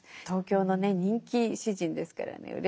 東京のね人気詩人ですからね